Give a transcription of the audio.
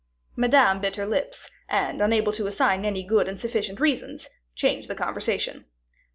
Madame bit her lips, and, unable to assign any good and sufficient reasons, changed the conversation.